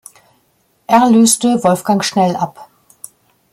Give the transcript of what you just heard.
Er löste Wolfgang Schnell ab.